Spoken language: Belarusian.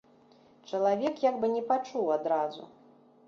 Чалавек як бы не пачуў адразу.